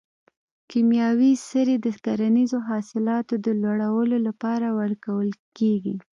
کیمیاوي سرې د کرنیزو حاصلاتو د لوړولو لپاره ورکول کیږي.